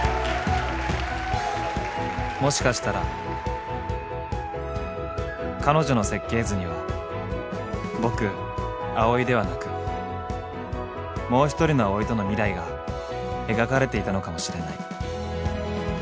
［もしかしたら彼女の設計図には僕アオイではなくもう一人のアオイとの未来が描かれていたのかもしれない］